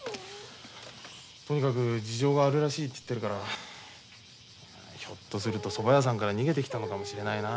とにかく事情があるらしいって言ってるからひょっとするとそば屋さんから逃げてきたのかもしれないな。